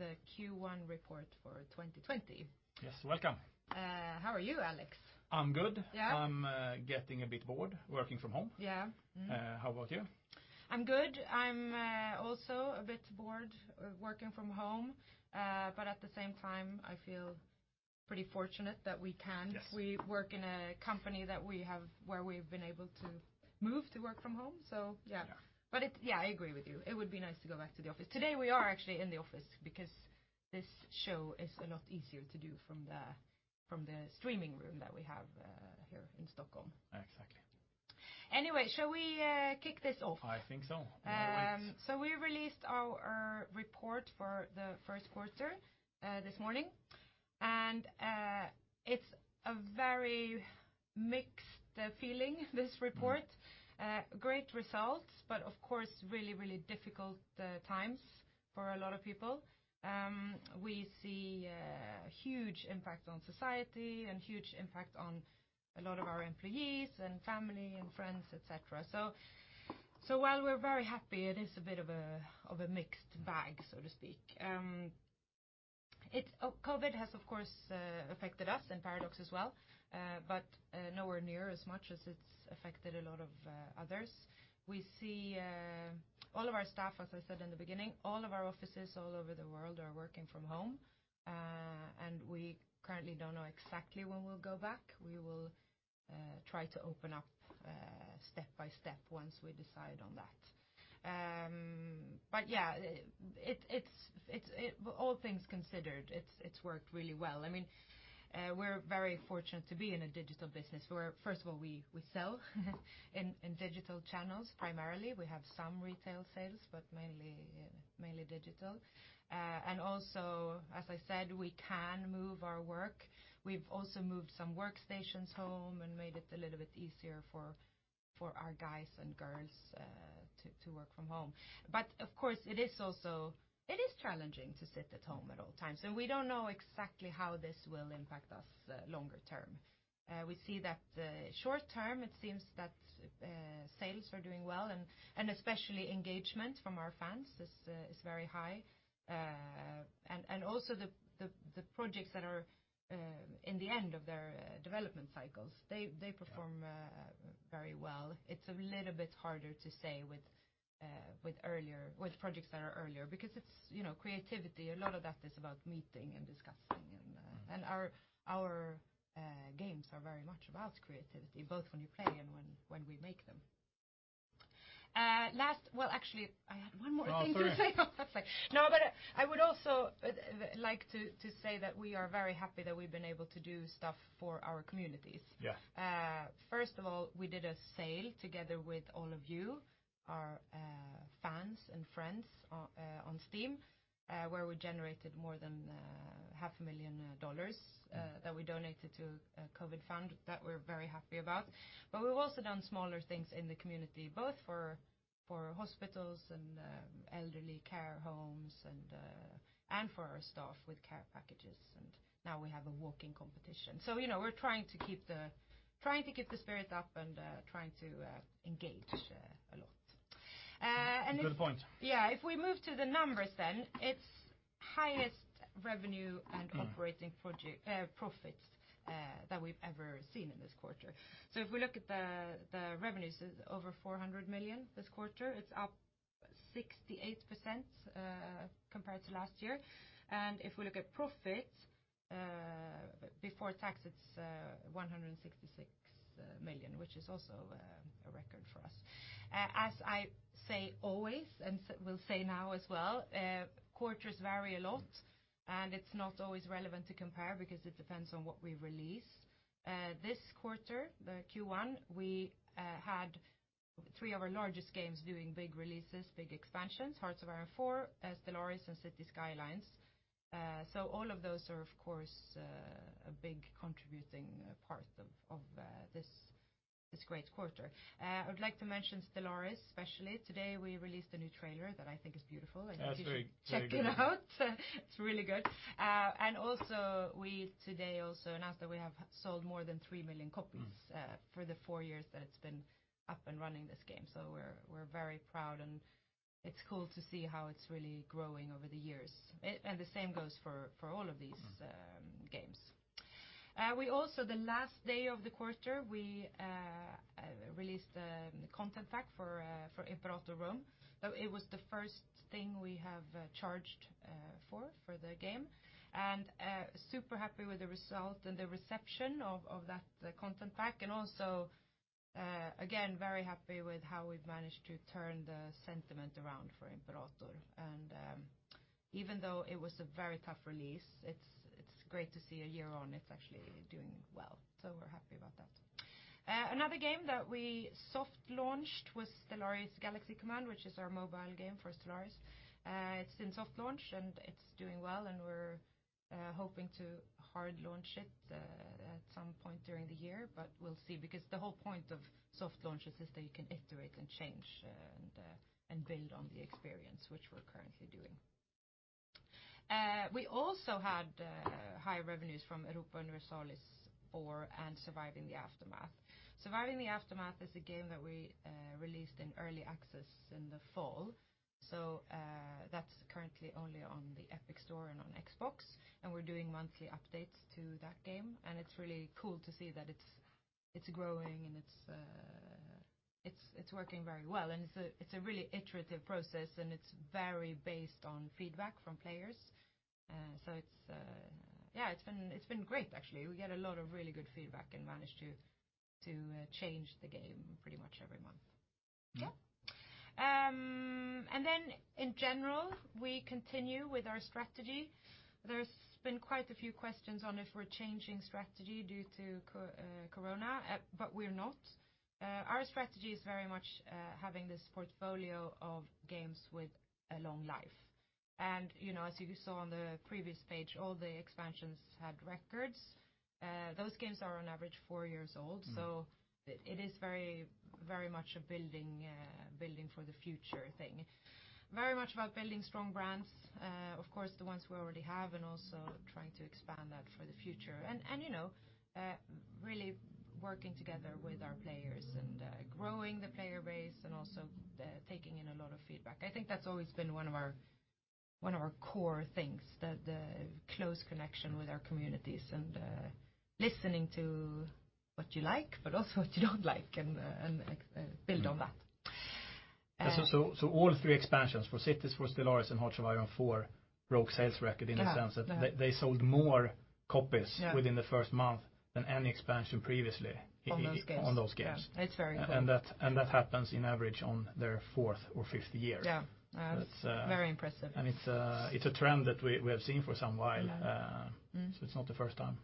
The Q1 report for 2020. Yes, welcome. How are you, Alex? I'm good. Yeah. I'm getting a bit bored working from home. Yeah. Mm-hmm. How about you? I'm good. I'm also a bit bored working from home. At the same time, I feel pretty fortunate that we can. Yes. We work in a company where we've been able to move to work from home. Yeah. Yeah. Yeah, I agree with you. It would be nice to go back to the office. Today, we are actually in the office because this show is a lot easier to do from the streaming room that we have here in Stockholm. Exactly. Anyway, shall we kick this off? I think so. Why wait? We released our report for the first quarter this morning. It's a very mixed feeling, this report. Great results. Of course, really difficult times for a lot of people. We see a huge impact on society and a huge impact on a lot of our employees and family and friends, et cetera. While we're very happy, it is a bit of a mixed bag, so to speak. COVID has, of course, affected us and Paradox as well. Nowhere near as much as it's affected a lot of others. All of our staff, as I said in the beginning, all of our offices all over the world are working from home. We currently don't know exactly when we'll go back. We will try to open up step by step once we decide on that. Yeah, all things considered, it's worked really well. We're very fortunate to be in a digital business where, first of all, we sell in digital channels primarily. We have some retail sales, but mainly digital. Also, as I said, we can move our work. We've also moved some workstations home and made it a little bit easier for our guys and girls to work from home. Of course, it is challenging to sit at home at all times, and we don't know exactly how this will impact us longer term. We see that short term, it seems that sales are doing well, and especially engagement from our fans is very high. Also, the projects that are in the end of their development cycles, they perform. Yeah very well. It's a little bit harder to say with projects that are earlier because it's creativity. A lot of that is about meeting and discussing, and our games are very much about creativity, both when you play and when we make them. Well, actually, I had one more thing to say. Oh, sorry. I would also like to say that we are very happy that we've been able to do stuff for our communities. Yeah. First of all, we did a sale together with all of you, our fans and friends on Steam, where we generated more than half a million dollars that we donated to a COVID fund that we're very happy about. We've also done smaller things in the community, both for hospitals and elderly care homes, and for our staff with care packages, and now we have a walking competition. We're trying to keep the spirits up and trying to engage a lot. Good point. If we move to the numbers, it's highest revenue and operating profits that we've ever seen in this quarter. If we look at the revenues, over 400 million this quarter. It's up 68% compared to last year. If we look at profits, before tax, it's 166 million, which is also a record for us. As I say always, will say now as well, quarters vary a lot, it's not always relevant to compare because it depends on what we release. This quarter, the Q1, we had three of our largest games doing big releases, big expansions, Hearts of Iron IV, Stellaris, and Cities: Skylines. All of those are, of course, a big contributing part of this great quarter. I would like to mention Stellaris especially. Today, we released a new trailer that I think is beautiful. It's very good. You should check it out. It's really good. We today also announced that we have sold more than 3 million copies. for the four years that it's been up and running, this game. We're very proud, and it's cool to see how it's really growing over the years. The same goes for all of these games. We also, the last day of the quarter, we released the content pack for Imperator: Rome. It was the first thing we have charged for the game, and super happy with the result and the reception of that content pack, and also, again, very happy with how we've managed to turn the sentiment around for Imperator. Even though it was a very tough release, it's great to see a year on, it's actually doing well. We're happy about that. Another game that we soft launched was Stellaris: Galaxy Command, which is our mobile game for Stellaris. It's in soft launch, and it's doing well, and we're hoping to hard launch it at some point during the year. We'll see, because the whole point of soft launches is that you can iterate and change and build on the experience, which we're currently doing. We also had high revenues from Europa Universalis IV and Surviving the Aftermath. Surviving the Aftermath is a game that we released in early access in the fall. That's currently only on the Epic Store and on Xbox, and we're doing monthly updates to that game. It's really cool to see that it's growing and it's working very well. It's a really iterative process, and it's very based on feedback from players. It's been great, actually. We get a lot of really good feedback and manage to change the game pretty much every month. Yeah. In general, we continue with our strategy. There's been quite a few questions on if we're changing strategy due to COVID. We're not. Our strategy is very much having this portfolio of games with a long life. As you saw on the previous page, all the expansions had records. Those games are on average four years old. It is very much a building for the future thing. Very much about building strong brands, of course, the ones we already have, and also trying to expand that for the future. Really working together with our players and growing the player base and also taking in a lot of feedback. I think that's always been one of our core things, the close connection with our communities and listening to what you like, but also what you don't like and build on that. All three expansions for Cities, for Stellaris, and Hearts of Iron IV broke sales record in the sense that they sold more copies within the first month than any expansion previously. On those games on those games. Yeah. It's very important. That happens on average in their fourth or fifth year. Yeah. That's- Very impressive. It's a trend that we have seen for some while. It's not the first time.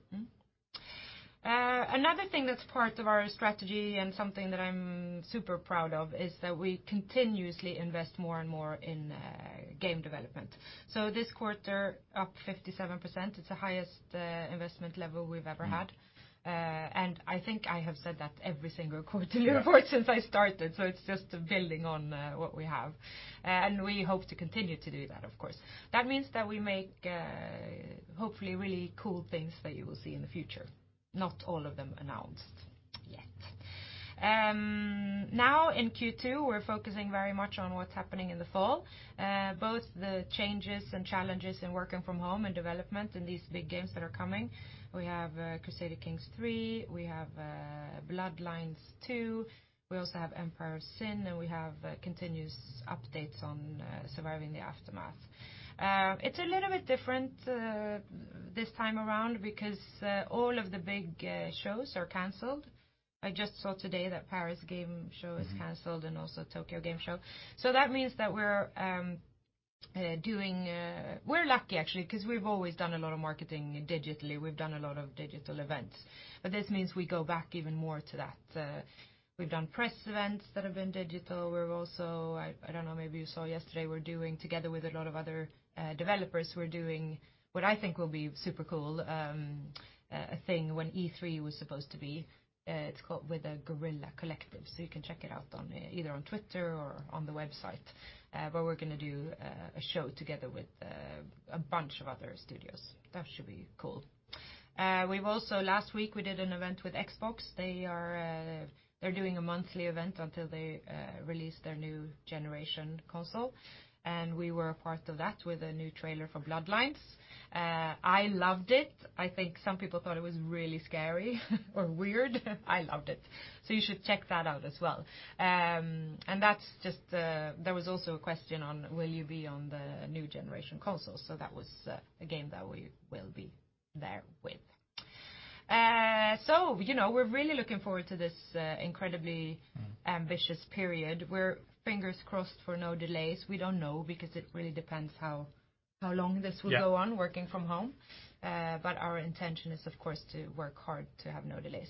Another thing that's part of our strategy and something that I'm super proud of is that we continuously invest more and more in game development. This quarter, up 57%, it's the highest investment level we've ever had. I think I have said that every single quarterly report since I started, so it's just building on what we have. We hope to continue to do that, of course. That means that we make, hopefully, really cool things that you will see in the future, not all of them announced yet. In Q2, we're focusing very much on what's happening in the fall, both the changes and challenges in working from home and development in these big games that are coming. We have Crusader Kings III, we have Bloodlines 2, we also have Empire of Sin, and we have continuous updates on Surviving the Aftermath. It's a little bit different this time around because all of the big shows are canceled. I just saw today that Paris Games Week is canceled and also Tokyo Game Show. That means that we're lucky, actually, because we've always done a lot of marketing digitally. We've done a lot of digital events. This means we go back even more to that. We've done press events that have been digital. We're also, I don't know, maybe you saw yesterday, we're doing together with a lot of other developers who are doing what I think will be super cool, a thing when E3 was supposed to be. It's called with a Guerrilla Collective. You can check it out either on Twitter or on the website, where we're going to do a show together with a bunch of other studios. That should be cool. Last week we did an event with Xbox. They're doing a monthly event until they release their new generation console, we were a part of that with a new trailer for Bloodlines. I loved it. I think some people thought it was really scary or weird. I loved it. You should check that out as well. There was also a question on will you be on the new generation console, that was a game that we will be there with. We're really looking forward to this incredibly ambitious period. We're fingers crossed for no delays. We don't know because it really depends how long this will go on working from home. Our intention is, of course, to work hard to have no delays.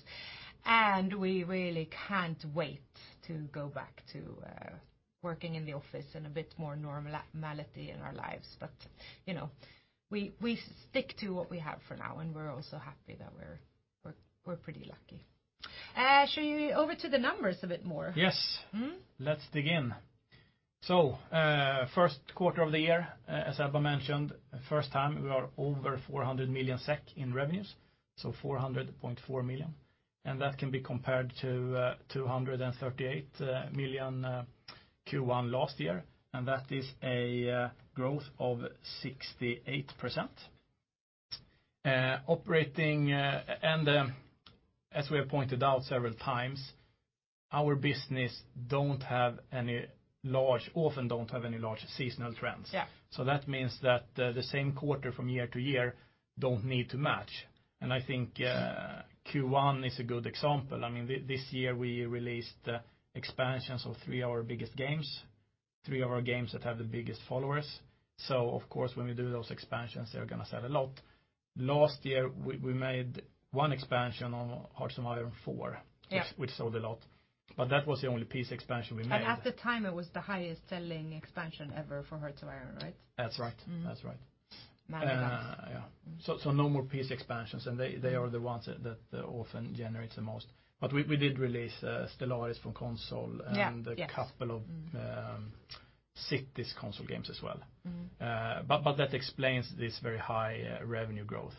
We really can't wait to go back to working in the office and a bit more normality in our lives. We stick to what we have for now, and we're also happy that we're pretty lucky. Shall we over to the numbers a bit more? Yes. Let's dig in. First quarter of the year, as Ebba mentioned, first time we are over 400 million SEK in revenues, 400.4 million. That can be compared to 238 million Q1 last year, and that is a growth of 68%. As we have pointed out several times, our business often don't have any large seasonal trends. Yeah. That means that the same quarter from year to year don't need to match. I think Q1 is a good example. This year we released expansions of three of our biggest games, three of our games that have the biggest followers. Of course, when we do those expansions, they're going to sell a lot. Last year, we made one expansion on Hearts of Iron IV. Yeah which sold a lot, but that was the only PC expansion we made. At the time, it was the highest-selling expansion ever for Hearts of Iron, right? That's right. Magnificent No more PC expansions, and they are the ones that often generate the most. We did release Stellaris for console- Yeah. Yes. A couple of Cities console games as well. That explains this very high revenue growth.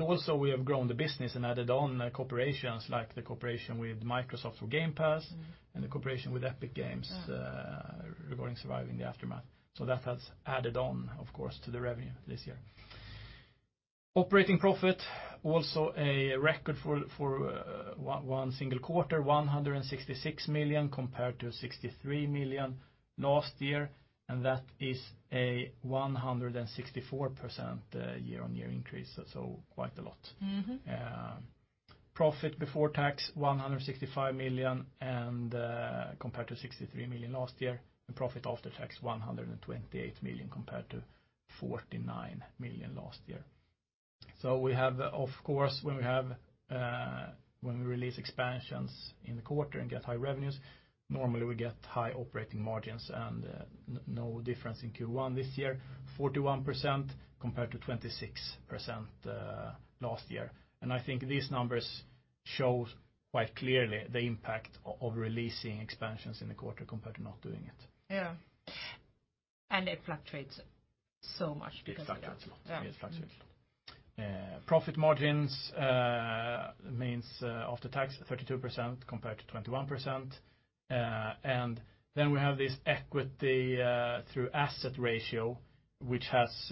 Also we have grown the business and added on cooperations like the cooperation with Microsoft for Game Pass and the cooperation with Epic Games. Yeah regarding Surviving the Aftermath. That has added on, of course, to the revenue this year. Operating profit, also a record for one single quarter, 166 million compared to 63 million last year, and that is a 164% year-on-year increase, so quite a lot. Profit before tax, 165 million compared to 63 million last year. The profit after tax, 128 million compared to 49 million last year. We have, of course, when we release expansions in the quarter and get high revenues, normally we get high operating margins and no difference in Q1 this year, 41% compared to 26% last year. I think these numbers show quite clearly the impact of releasing expansions in the quarter compared to not doing it. Yeah. It fluctuates so much because of that. It fluctuates a lot. Yeah. It fluctuates a lot. Profit margins, means after tax, 32% compared to 21%. We have this equity to asset ratio, which has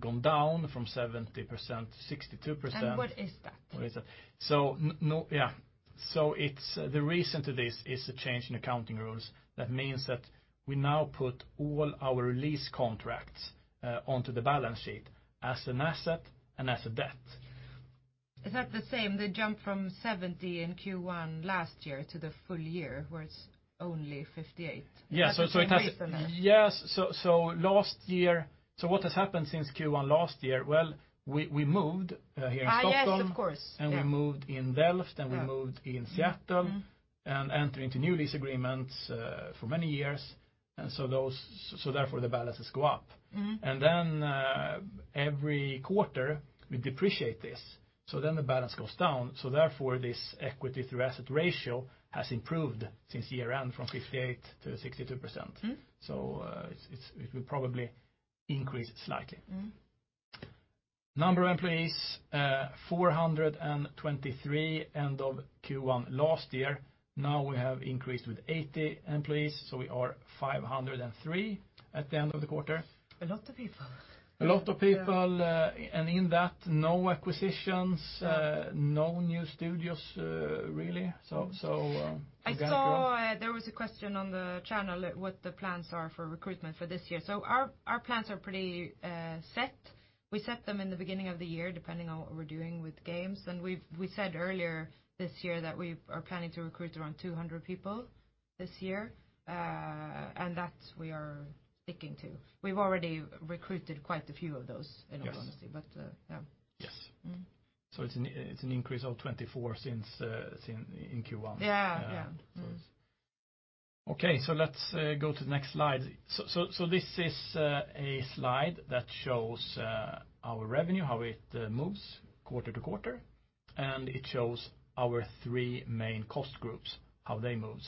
gone down from 70% to 62%. What is that? What is that? The reason for this is a change in accounting rules that means that we now put all our lease contracts onto the balance sheet as an asset and as a debt. Is that the same, the jump from 70% in Q1 last year to the full year, where it's only 58%? Yeah. Is that the same reason there? Yes, what has happened since Q1 last year? Well, we moved here in Stockholm. Yes, of course. Yeah. We moved in Delft, and we moved in Seattle and entered into new lease agreements for many years. Therefore, the balances go up. Every quarter we depreciate this, so then the balance goes down. Therefore this equity through asset ratio has improved since year-end from 58% to 62%. It will probably increase slightly. Number of employees, 423 end of Q1 last year. Now we have increased with 80 employees, so we are 503 at the end of the quarter. A lot of people. A lot of people- Yeah In that, no acquisitions. No no new studios, really. I saw there was a question on the channel, what the plans are for recruitment for this year. Our plans are pretty set. We set them in the beginning of the year, depending on what we're doing with games. We said earlier this year that we are planning to recruit around 200 people this year, and that we are sticking to. We've already recruited quite a few of those. Yes in all honesty. Yeah. Yes. It's an increase of 24% in Q1. Yeah. Okay, let's go to the next slide. This is a slide that shows our revenue, how it moves quarter to quarter, and it shows our three main cost groups, how they move.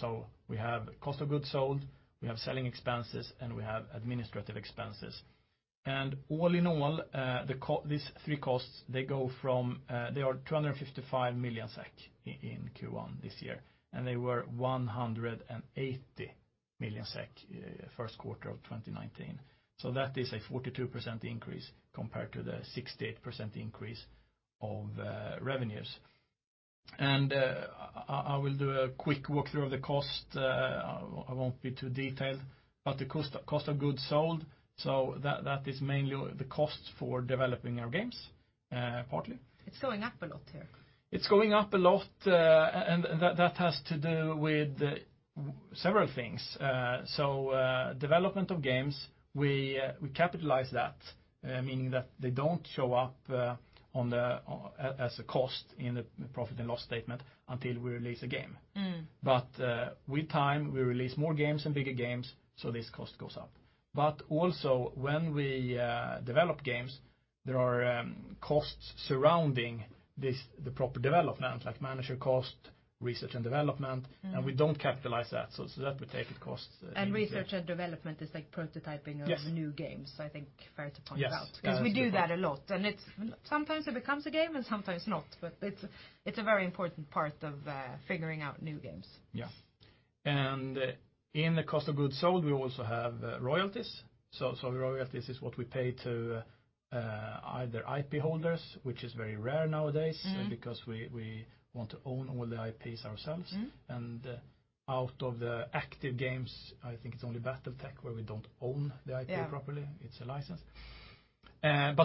We have cost of goods sold, we have selling expenses, and we have administrative expenses. All in all, these three costs, they are 255 million SEK in Q1 this year, and they were 180 million SEK first quarter of 2019. That is a 42% increase compared to the 68% increase of revenues. I will do a quick walkthrough of the cost. I won't be too detailed, but the cost of goods sold, that is mainly the cost for developing our games, partly. It's going up a lot here. It's going up a lot, and that has to do with several things. Development of games, we capitalize that, meaning that they don't show up as a cost in the profit and loss statement until we release a game. With time, we release more games and bigger games, so this cost goes up. Also when we develop games, there are costs surrounding the proper development, like manager cost, research and development. We don't capitalize that, so that we take as costs in here. Research and development is like prototyping. Yes of new games, I think fair to point out. Yes. We do that a lot, and sometimes it becomes a game, and sometimes not. It's a very important part of figuring out new games. Yeah. In the cost of goods sold, we also have royalties. Royalty is what we pay to either IP holders, which is very rare nowadays. because we want to own all the IPs ourselves. out of the active games, I think it's only BattleTech where we don't own the IP properly. Yeah It's a license.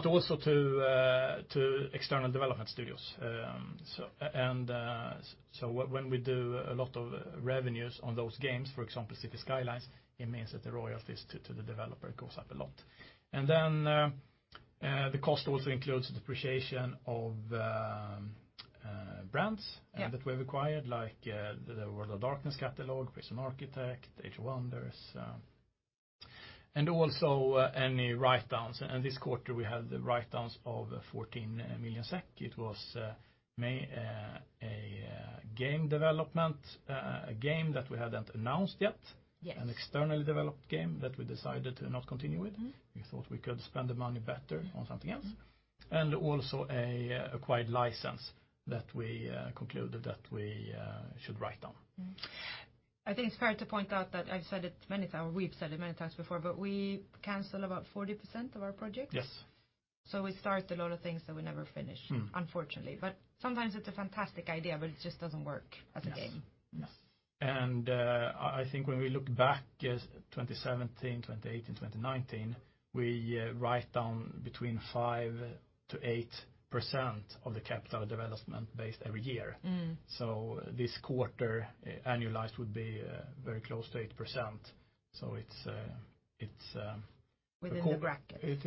Also to external development studios. When we do a lot of revenues on those games, for example, Cities: Skylines, it means that the royalties to the developer goes up a lot. The cost also includes depreciation of brands. Yeah that we've acquired, like the World of Darkness catalog, Prison Architect, Age of Wonders. Also any write-downs. This quarter we had the write-downs of 14 million SEK. It was a game development, a game that we hadn't announced yet. Yes. An externally developed game that we decided to not continue with. We thought we could spend the money better on something else. Also an acquired license that we concluded that we should write down. I think it's fair to point out that I've said it many times, or we've said it many times before, but we cancel about 40% of our projects. Yes. We start a lot of things that we never finish. unfortunately. Sometimes it's a fantastic idea, but it just doesn't work as a game. Yes. I think when we look back at 2017, 2018, 2019, we write down between 5%-8% of the capital development base every year. This quarter, annualized, would be very close to 8%. Within the bracket. It's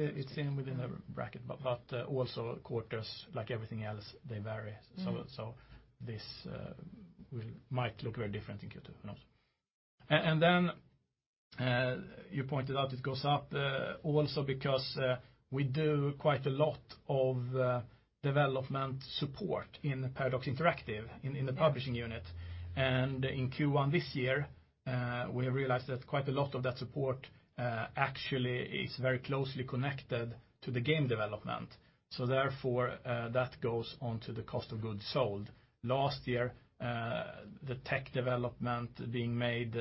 within the bracket, but also quarters, like everything else, they vary. This might look very different in Q2, who knows? You pointed out it goes up also because we do quite a lot of development support in Paradox Interactive in the publishing unit. In Q1 this year, we have realized that quite a lot of that support actually is very closely connected to the game development. Therefore, that goes on to the cost of goods sold. Last year, the tech development being made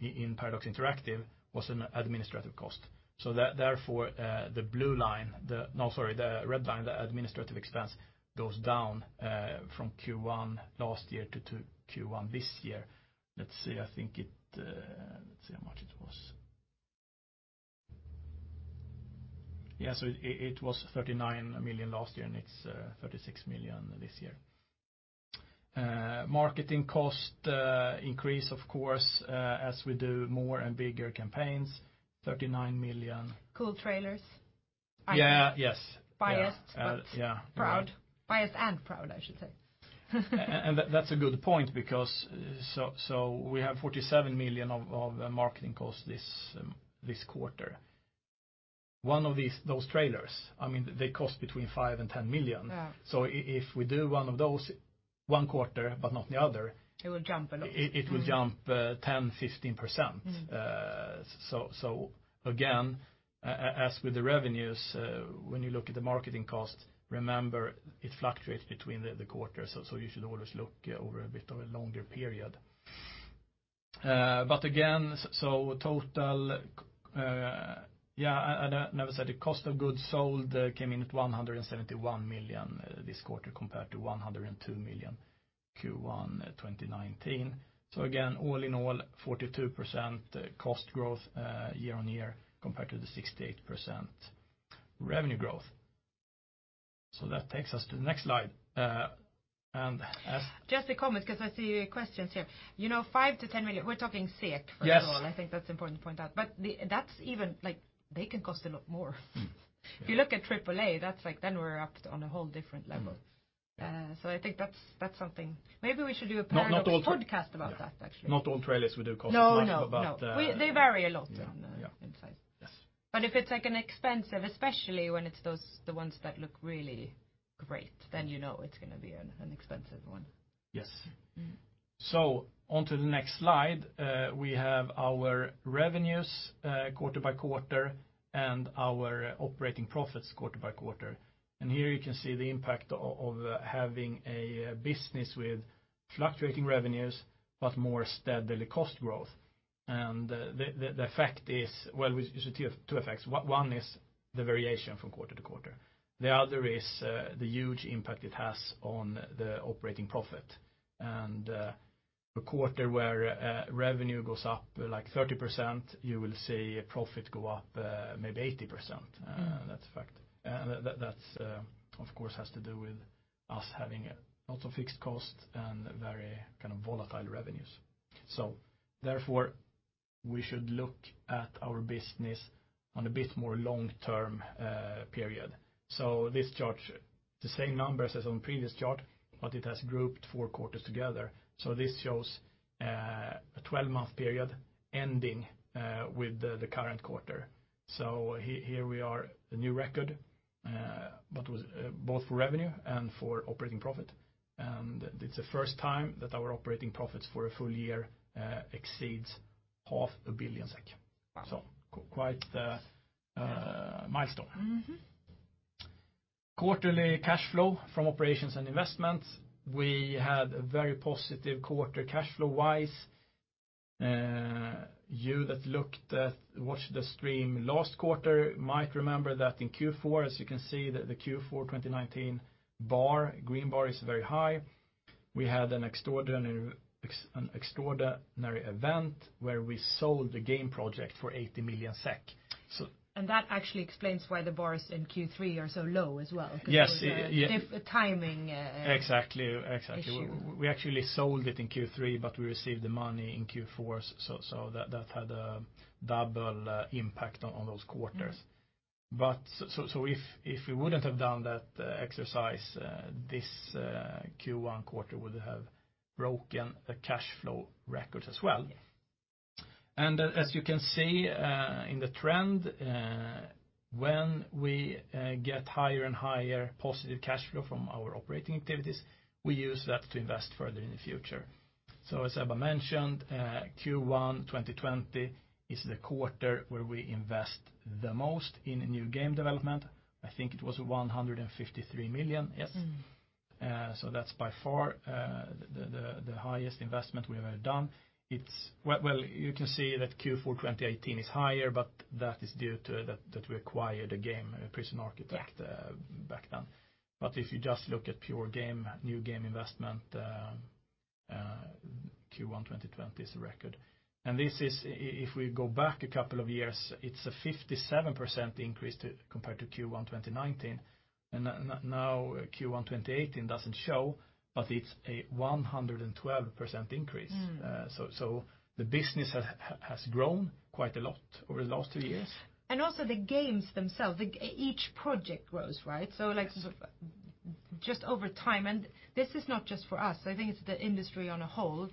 in Paradox Interactive was an administrative cost. Therefore, the red line, the administrative expense, goes down from Q1 last year to Q1 this year. Let's see. Let's see how much it was. It was 39 million last year, and it's 36 million this year. Marketing cost increase, of course, as we do more and bigger campaigns, 39 million. Cool trailers. Yeah. Yes. Biased- Yeah Proud. Biased and proud, I should say. That's a good point because we have 47 million of marketing costs this quarter. One of those trailers, they cost between 5 million and 10 million. Yeah. If we do one of those one quarter but not the other. It will jump a lot. it will jump 10, 15%. Again, as with the revenues, when you look at the marketing cost, remember it fluctuates between the quarters, you should always look over a bit of a longer period. Again, total, I never said the cost of goods sold came in at 171 million this quarter, compared to 102 million Q1 2019. Again, all in all, 42% cost growth year-on-year compared to the 68% revenue growth. That takes us to the next slide. Just a comment because I see questions here. You know 5-10 million, we're talking SEK, first of all. Yes I think that's important to point out. They can cost a lot more. Yeah. If you look at AAA, then we're up on a whole different level. I think that's something. Not all- Paradox podcast about that, actually. Not all trailers we do cost that much. No. They vary a lot in size. Yes. If it's expensive, especially when it's the ones that look really great, then you know it's going to be an expensive one. Yes. On to the next slide. We have our revenues quarter-by-quarter and our operating profits quarter-by-quarter. Here you can see the impact of having a business with fluctuating revenues but more steadily cost growth. The effect is, well, two effects. One is the variation from quarter to quarter. The other is the huge impact it has on the operating profit. A quarter where revenue goes up like 30%, you will see profit go up maybe 80%. That's a fact. That, of course, has to do with us having a lot of fixed costs and very volatile revenues. Therefore, we should look at our business on a bit more long-term period. This chart, the same numbers as on the previous chart, but it has grouped four quarters together. This shows a 12-month period ending with the current quarter. Here we are, the new record both for revenue and for operating profit. It's the first time that our operating profits for a full year exceeds 0.5 billion SEK. Wow. Quite a milestone. Quarterly cash flow from operations and investments. We had a very positive quarter cash flow-wise. You that watched the stream last quarter might remember that in Q4, as you can see, the Q4 2019 green bar is very high. We had an extraordinary event where we sold the game project for 80 million SEK. That actually explains why the bars in Q3 are so low as well. Yes because there was a timing- Exactly issue. We actually sold it in Q3, but we received the money in Q4, so that had a double impact on those quarters. If we wouldn't have done that exercise, this Q1 quarter would have broken the cash flow records as well. Yes. As you can see in the trend, when we get higher and higher positive cash flow from our operating activities, we use that to invest further in the future. As Ebba mentioned, Q1 2020 is the quarter where we invest the most in new game development. I think it was 153 million. Yes. That's by far the highest investment we have ever done. You can see that Q4 2018 is higher, that is due to that we acquired a game, Prison Architect, back then. If you just look at pure new game investment, Q1 2020 is a record. If we go back a couple of years, it's a 57% increase compared to Q1 2019. Now Q1 2018 doesn't show, but it's a 112% increase. The business has grown quite a lot over the last two years. Also the games themselves, each project grows, right? Just over time, and this is not just for us, I think it's the industry on a whole,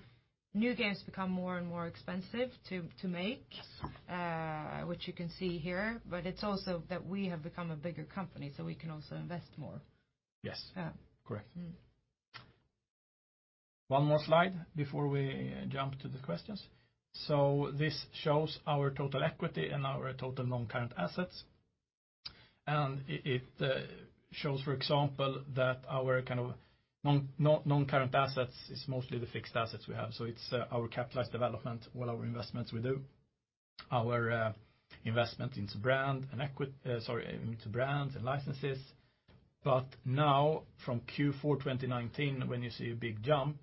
new games become more and more expensive to make. You can see here, but it's also that we have become a bigger company, so we can also invest more. Yes. Yeah. Correct. One more slide before we jump to the questions. This shows our total equity and our total non-current assets. It shows, for example, that our non-current assets is mostly the fixed assets we have. It's our capitalized development, all our investments we do, our investment into brand and licenses. Now from Q4 2019, when you see a big jump,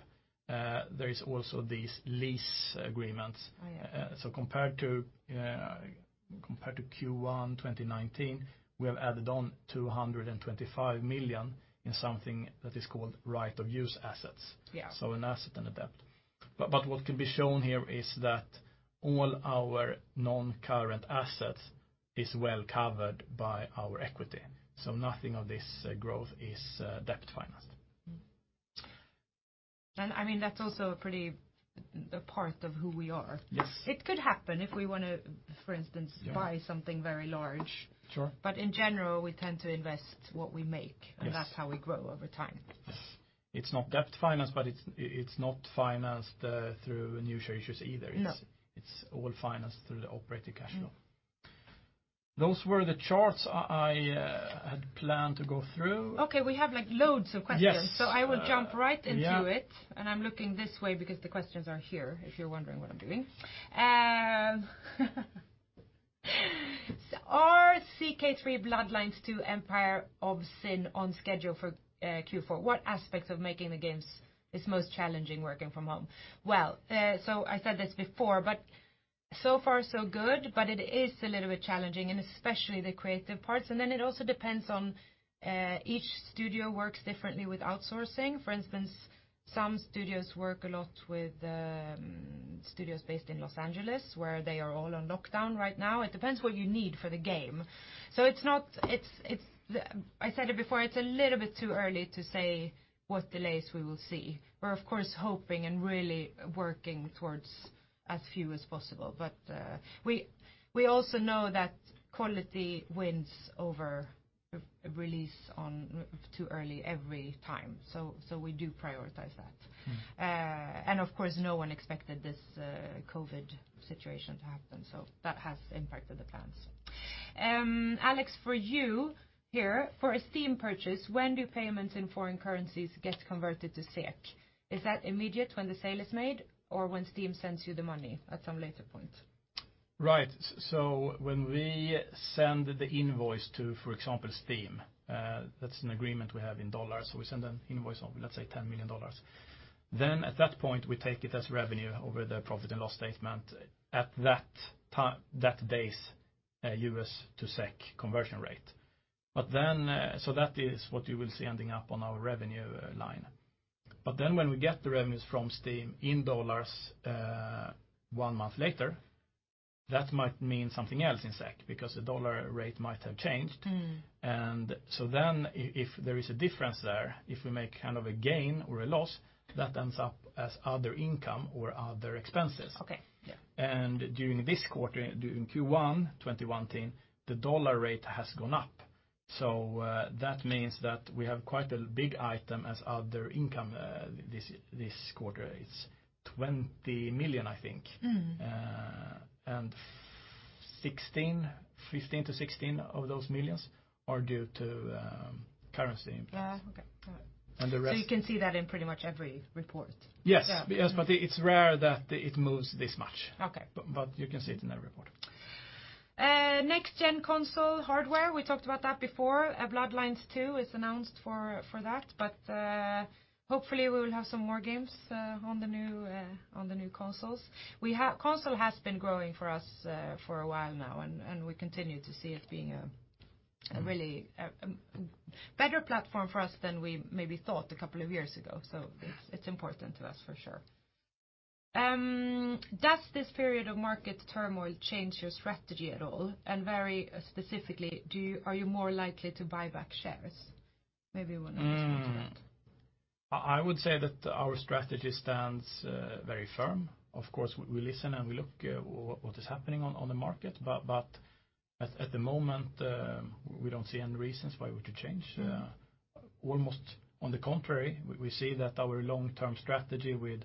there is also these lease agreements. Oh, yeah. Compared to Q1 2019, we have added on 225 million in something that is called right-of-use assets. Yeah. An asset and a debt. What can be shown here is that all our non-current assets is well-covered by our equity, so nothing of this growth is debt-financed. That's also a part of who we are. Yes. It could happen if we want to. Yeah buy something very large. Sure. In general, we tend to invest what we make. Yes That's how we grow over time. Yes. It's not debt-financed, but it's not financed through new share issues either. No. It's all financed through the operating cash flow. Those were the charts I had planned to go through. Okay. We have loads of questions. Yes. I will jump right into it. Yeah. I'm looking this way because the questions are here, if you're wondering what I'm doing. "Are CK3 Bloodlines 2, Empire of Sin on schedule for Q4? What aspects of making the games is most challenging working from home?" I said this before, but so far so good, but it is a little bit challenging, especially the creative parts. It also depends on each studio works differently with outsourcing. For instance, some studios work a lot with studios based in L.A., where they are all on lockdown right now. It depends what you need for the game. I said it before, it's a little bit too early to say what delays we will see. We're of course hoping and really working towards as few as possible. We also know that quality wins over a release too early every time. We do prioritize that. Of course, no one expected this COVID situation to happen. That has impacted the plans. Alexander, for you here, "For a Steam purchase, when do payments in foreign currencies get converted to SEK? Is that immediate when the sale is made, or when Steam sends you the money at some later point? Right. When we send the invoice to, for example, Steam, that's an agreement we have in dollars, we send an invoice of, let's say, $10 million. At that point, we take it as revenue over the profit and loss statement at that day's U.S. to SEK conversion rate. That is what you will see ending up on our revenue line. When we get the revenues from Steam in dollars one month later, that might mean something else in SEK because the dollar rate might have changed. If there is a difference there, if we make a gain or a loss, that ends up as other income or other expenses. Okay. Yeah. During this quarter, during Q1 2019, the U.S. dollar rate has gone up. That means that we have quite a big item as other income this quarter. It's 20 million, I think. 15-16 million of those are due to currency impacts. Yeah. Okay. Got it. And the rest- You can see that in pretty much every report? Yes. Yeah. Yes, it's rare that it moves this much. Okay. You can see it in every report. NextGen console hardware, we talked about that before. Bloodlines 2 is announced for that, but hopefully we will have some more games on the new consoles. Console has been growing for us for a while now, and we continue to see it being a really better platform for us than we maybe thought a couple of years ago. It's important to us for sure. Does this period of market turmoil change your strategy at all? Very specifically, are you more likely to buy back shares? Maybe we'll answer that. I would say that our strategy stands very firm. Of course, we listen and we look at what is happening on the market, but at the moment, we don't see any reasons why we would change. Almost on the contrary, we see that our long-term strategy with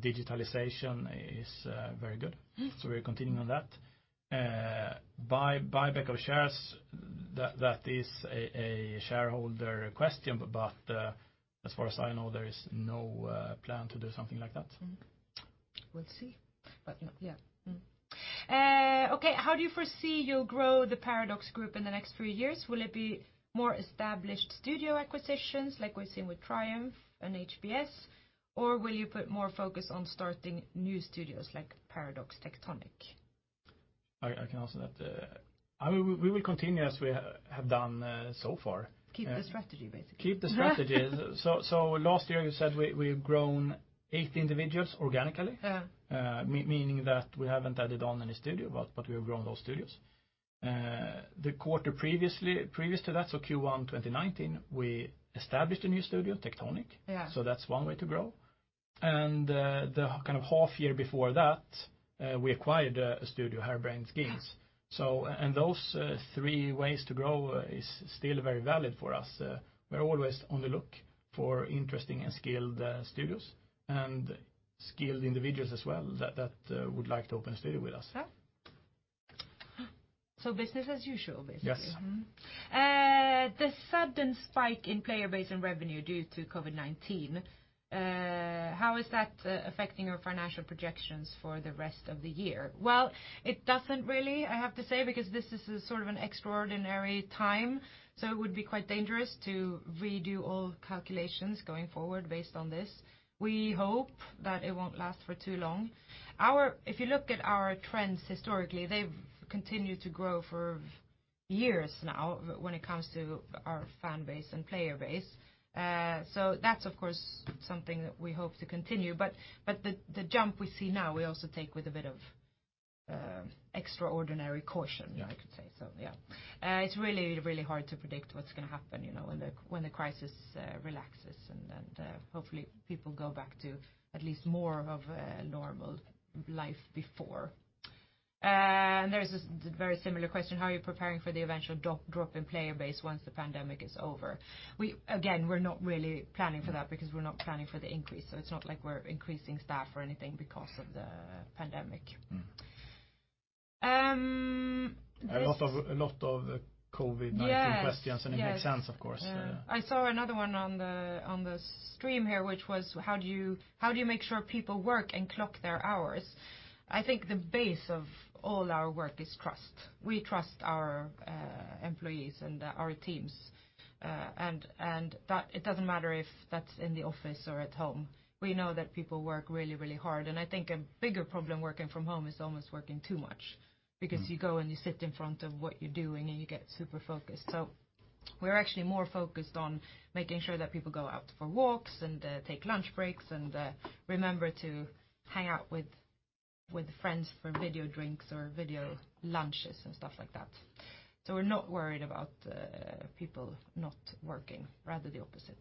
digitalization is very good. We're continuing on that. Buyback of shares, that is a shareholder question, but as far as I know, there is no plan to do something like that. We'll see. Yeah. Okay. How do you foresee you'll grow the Paradox Group in the next three years? Will it be more established studio acquisitions like we've seen with Triumph and HBS, or will you put more focus on starting new studios like Paradox Tectonic? I can answer that. We will continue as we have done so far. Keep the strategy, basically. Keep the strategy. Last year you said we've grown 80 individuals organically- Yeah meaning that we haven't added on any studio, but we have grown those studios. The quarter previous to that, so Q1 2019, we established a new studio, Tectonic. Yeah. That's one way to grow, and the half year before that, we acquired a studio, Harebrained Schemes. Yeah. Those three ways to grow is still very valid for us. We're always on the look for interesting and skilled studios and skilled individuals as well that would like to open a studio with us. Yeah. Business as usual, basically. Yes. The sudden spike in player base and revenue due to COVID-19, how is that affecting your financial projections for the rest of the year? Well, it doesn't really, I have to say, because this is sort of an extraordinary time. It would be quite dangerous to redo all calculations going forward based on this. We hope that it won't last for too long. If you look at our trends historically, they've continued to grow for years now when it comes to our fan base and player base. That's of course something that we hope to continue. The jump we see now, we also take with a bit of extraordinary caution. Yeah I could say. Yeah. It's really hard to predict what's going to happen when the crisis relaxes and then hopefully people go back to at least more of a normal life before. There's this very similar question, how are you preparing for the eventual drop in player base once the pandemic is over? Again, we're not really planning for that because we're not planning for the increase, so it's not like we're increasing staff or anything because of the pandemic. A lot of COVID-19 Yes questions, and it makes sense, of course. I saw another one on the stream here, which was how do you make sure people work and clock their hours? I think the base of all our work is trust. We trust our employees and our teams. It doesn't matter if that's in the office or at home. We know that people work really hard. I think a bigger problem working from home is almost working too much because you go and you sit in front of what you're doing and you get super focused. We're actually more focused on making sure that people go out for walks and take lunch breaks and remember to hang out with friends for video drinks or video lunches and stuff like that. We're not worried about people not working, rather the opposite.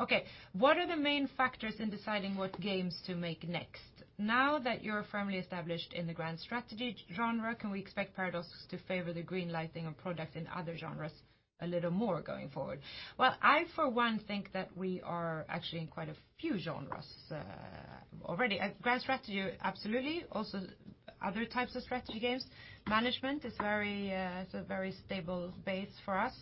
Okay. What are the main factors in deciding what games to make next? Now that you're firmly established in the grand strategy genre, can we expect Paradox to favor the green-lighting of products in other genres a little more going forward? Well, I for one think that we are actually in quite a few genres already. Grand strategy, absolutely. Also, other types of strategy games. Management is a very stable base for us.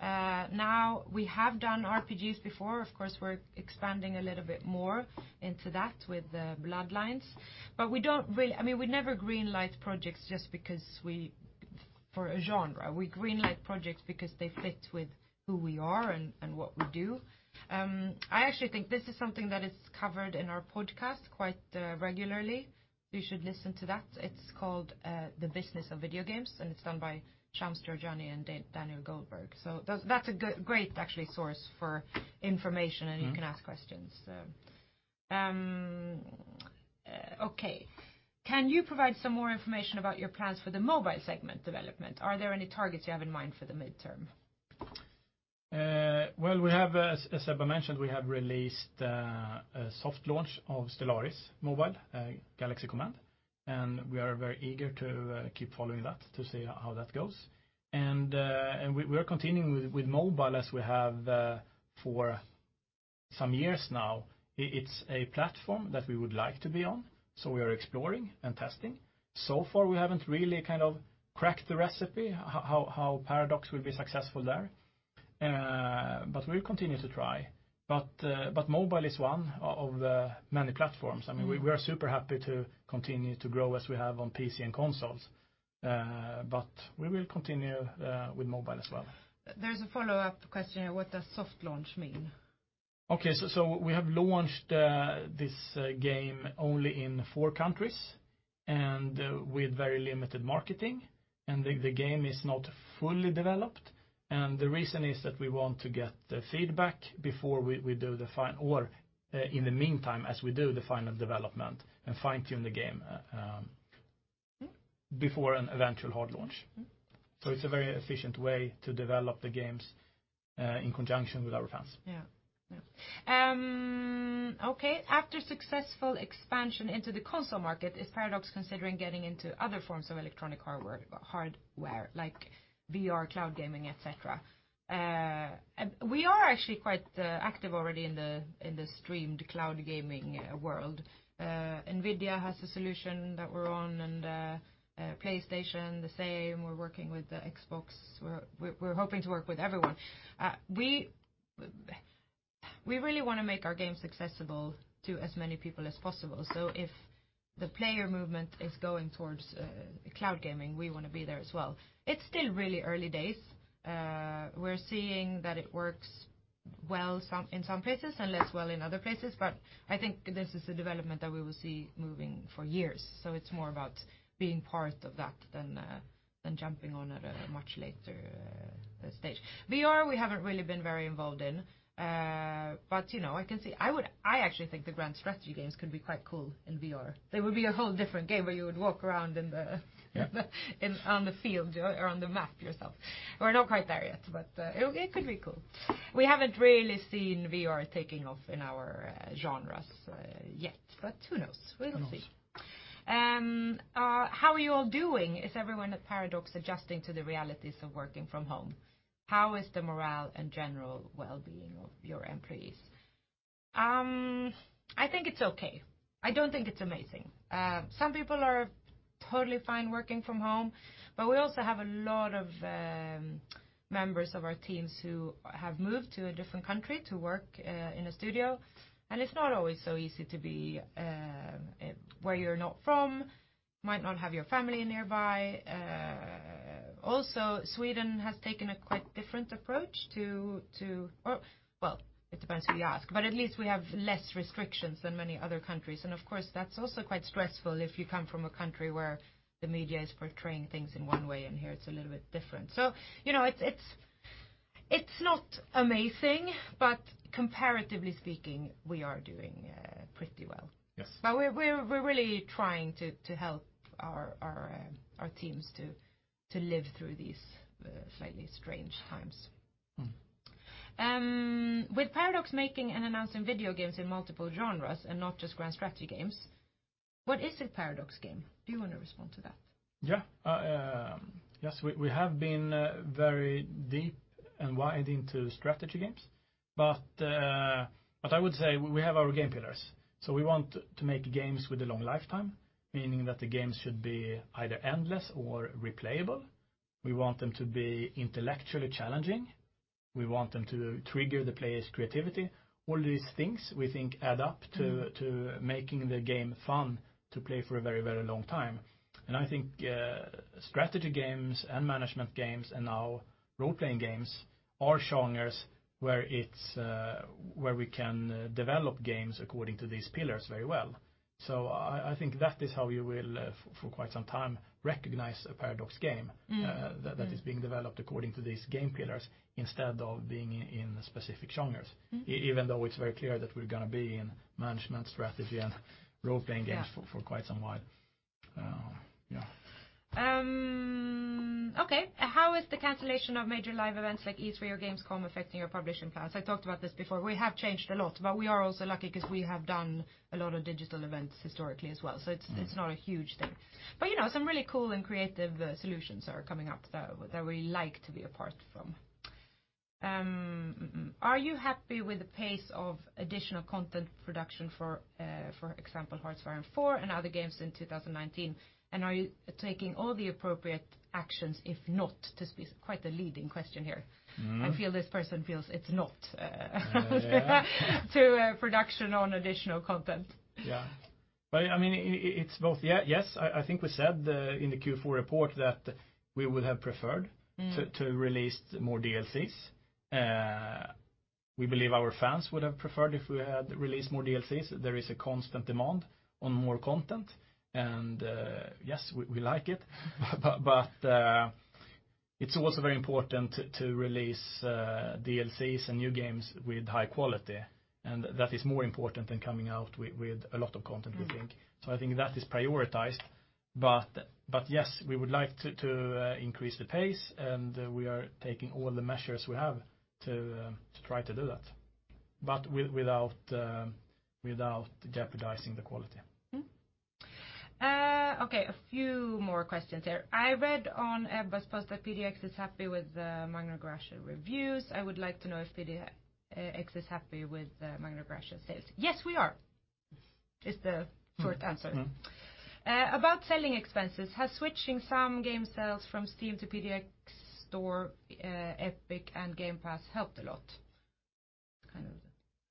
Now, we have done RPGs before. Of course, we're expanding a little bit more into that with "Bloodlines," but we never green-light projects just for a genre. We green-light projects because they fit with who we are and what we do. I actually think this is something that is covered in our podcast quite regularly. You should listen to that. It's called "The Business of Video Games," and it's done by Shams Jorjani and Daniel Goldberg. That's a great actually source for information, and you can ask questions there. Okay. Can you provide some more information about your plans for the mobile segment development? Are there any targets you have in mind for the midterm? As Ebba mentioned, we have released a soft launch of "Stellaris Mobile: Galaxy Command," and we are very eager to keep following that to see how that goes. We are continuing with mobile as we have for some years now. It's a platform that we would like to be on, so we are exploring and testing. So far, we haven't really cracked the recipe how Paradox will be successful there, but we'll continue to try. Mobile is one of the many platforms. We are super happy to continue to grow as we have on PC and consoles, but we will continue with mobile as well. There's a follow-up question here. What does soft launch mean? Okay, we have launched this game only in four countries. With very limited marketing, and the game is not fully developed. The reason is that we want to get the feedback before we do or in the meantime, as we do the final development and fine-tune the game before an eventual hard launch. It's a very efficient way to develop the games in conjunction with our fans. Yeah. Okay. After successful expansion into the console market, is Paradox considering getting into other forms of electronic hardware, like VR, cloud gaming, et cetera? We are actually quite active already in the streamed cloud gaming world. NVIDIA has a solution that we're on, and PlayStation the same. We're working with Xbox. We're hoping to work with everyone. We really want to make our games accessible to as many people as possible. If the player movement is going towards cloud gaming, we want to be there as well. It's still really early days. We're seeing that it works well in some places and less well in other places, but I think this is a development that we will see moving for years. It's more about being part of that than jumping on at a much later stage. VR, we haven't really been very involved in. I actually think the grand strategy games could be quite cool in VR. They would be a whole different game where you would walk around in the- Yeah on the field or on the map yourself. We're not quite there yet, but it could be cool. We haven't really seen VR taking off in our genres yet, but who knows? Who knows. We will see. How are you all doing? Is everyone at Paradox adjusting to the realities of working from home? How is the morale and general well-being of your employees? I think it's okay. I don't think it's amazing. Some people are totally fine working from home, but we also have a lot of members of our teams who have moved to a different country to work in a studio, and it's not always so easy to be where you're not from, might not have your family nearby. Sweden has taken a quite different approach. Well, it depends who you ask, but at least we have less restrictions than many other countries. Of course, that's also quite stressful if you come from a country where the media is portraying things in one way, and here it's a little bit different. It's not amazing, but comparatively speaking, we are doing pretty well. Yes. We're really trying to help our teams to live through these slightly strange times. With Paradox making and announcing video games in multiple genres and not just grand strategy games, what is a Paradox game? Do you want to respond to that? Yes, we have been very deep and wide into strategy games, but I would say we have our game pillars. We want to make games with a long lifetime, meaning that the games should be either endless or replayable. We want them to be intellectually challenging. We want them to trigger the player's creativity. All these things, we think add up to making the game fun to play for a very long time. I think strategy games and management games and now role-playing games are genres where we can develop games according to these pillars very well. I think that is how you will, for quite some time, recognize a Paradox game. that is being developed according to these game pillars instead of being in specific genres. Even though it's very clear that we're going to be in management, strategy, and role-playing games. Yeah for quite some while. Yeah. Okay. How is the cancellation of major live events like E3 or Gamescom affecting your publishing plans? I talked about this before. We have changed a lot, but we are also lucky because we have done a lot of digital events historically as well, so it's not a huge thing. Some really cool and creative solutions are coming up, though, that we like to be a part from. Are you happy with the pace of additional content production, for example, Hearts of Iron IV and other games in 2019? Are you taking all the appropriate actions, if not? This is quite a leading question here. I feel this person feels it's not. Yeah To production on additional content. Yeah. It's both, yes. I think we said in the Q4 report that we would have preferred. to release more DLCs. We believe our fans would have preferred if we had released more DLCs. There is a constant demand on more content. Yes, we like it. It's also very important to release DLCs and new games with high quality, and that is more important than coming out with a lot of content, we think. I think that is prioritized. Yes, we would like to increase the pace, and we are taking all the measures we have to try to do that, but without jeopardizing the quality. Okay, a few more questions here. I read on a blog post that Paradox Interactive is happy with the "Magna Graecia" reviews. I would like to know if Paradox Interactive is happy with the "Magna Graecia" sales. Yes we are! Is the short answer. About selling expenses, has switching some game sales from Steam to PDX Store, Epic, and Game Pass helped a lot? Kind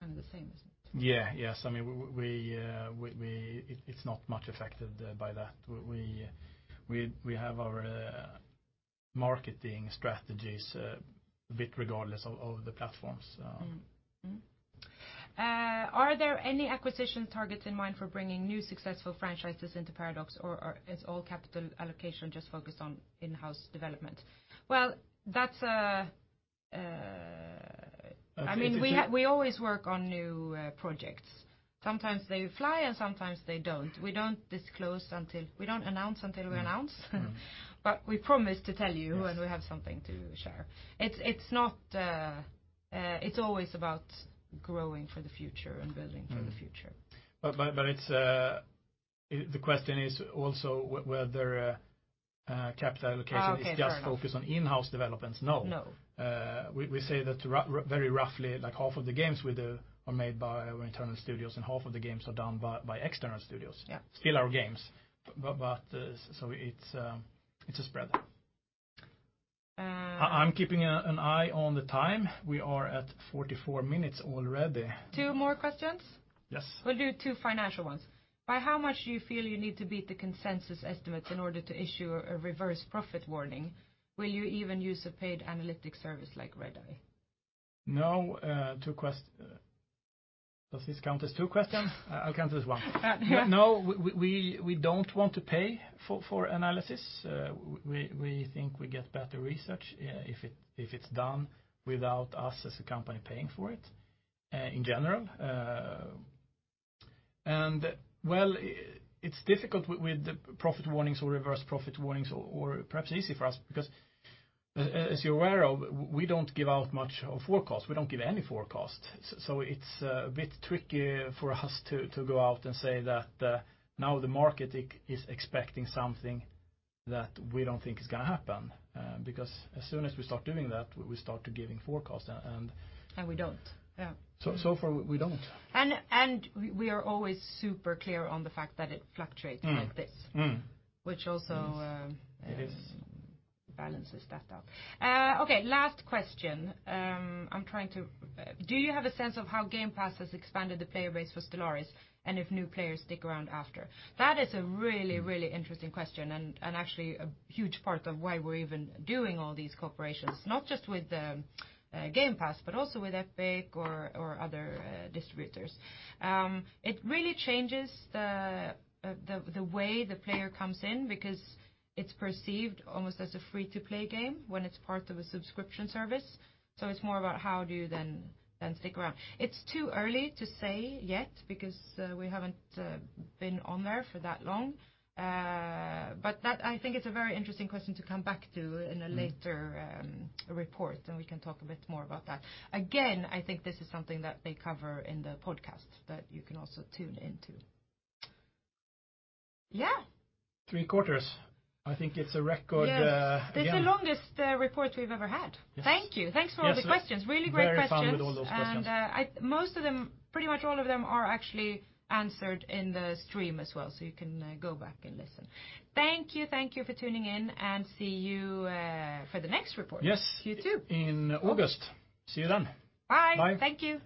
of the same, isn't it? Yeah. Yes, it's not much affected by that. We have our marketing strategies a bit regardless of the platforms. Are there any acquisition targets in mind for bringing new successful franchises into Paradox, or is all capital allocation just focused on in-house development? We always work on new projects. Sometimes they fly and sometimes they don't. We don't announce until we announce, but we promise to tell you when we have something to share. It's always about growing for the future and building for the future. The question is also whether capital allocation- Oh, okay. Fair enough is just focused on in-house developments. No. No. We say that very roughly half of the games we do are made by our internal studios, and half of the games are done by external studios. Yeah. Still our games, so it's a spread. I'm keeping an eye on the time. We are at 44 minutes already. Two more questions? Yes. We'll do two financial ones. By how much do you feel you need to beat the consensus estimates in order to issue a reverse profit warning? Will you even use a paid analytic service like Redeye? No, does this count as two questions? I'll count it as one. No, we don't want to pay for analysis. We think we get better research if it's done without us as a company paying for it, in general. Well, it's difficult with profit warnings or reverse profit warnings, or perhaps easy for us because, as you're aware of, we don't give out much of forecasts. We don't give any forecasts. It's a bit tricky for us to go out and say that now the market is expecting something that we don't think is going to happen. As soon as we start doing that, we start giving forecasts. We don't. Yeah. Far, we don't. We are always super clear on the fact that it fluctuates like this, which also balances that out. Okay, last question. Do you have a sense of how Game Pass has expanded the player base for Stellaris and if new players stick around after? That is a really interesting question and actually a huge part of why we're even doing all these cooperations, not just with Game Pass, but also with Epic or other distributors. It really changes the way the player comes in because it's perceived almost as a free-to-play game when it's part of a subscription service. It's more about how do you then stick around. It's too early to say yet because we haven't been on there for that long. That I think is a very interesting question to come back to in a later report, and we can talk a bit more about that. Again, I think this is something that they cover in the podcast that you can also tune into. Yeah. Three-quarters. I think it's a record again. Yes. It's the longest report we've ever had. Yes. Thank you. Thanks for all the questions. Really great questions. Very fun with all those questions. Pretty much all of them are actually answered in the stream as well. You can go back and listen. Thank you for tuning in. See you for the next report. Yes. See you too. In August. See you then. Bye. Bye. Thank you.